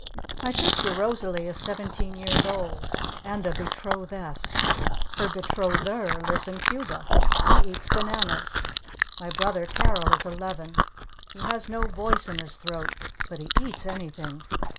My sister Rosalee is seventeen years old. And a Betrothess. Her Betrother lives in Cuba. He eats bananas. My brother Carol is eleven. He has no voice in his throat. But he eats anything.